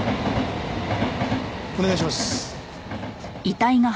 お願いします。